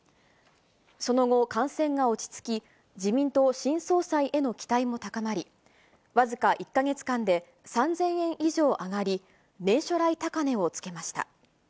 その後、感染が落ち着き、自民党新総裁への期待も高まり、僅か１か月間で３０００円以上上がり、年初来高値をつけました。